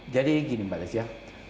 jadi gini mbak des ya